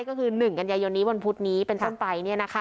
ก็คือ๑กันยายนนี้วันพุธนี้เป็นต้นไป